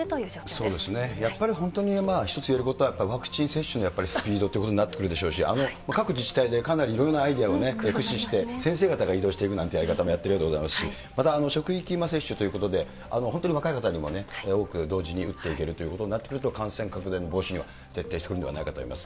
そうですね、やっぱり本当に一つ言えることは、やっぱりワクチン接種のスピードということになってくるでしょうし、各自治体でかなりいろいろなアイデアを駆使して、先生方が移動していくなんていうやり方もやっているようですし、また職域接種ということで、本当に若い方にもね、多く同時に打っていくということになると、感染拡大の防止には絶対必要じゃないかと思います。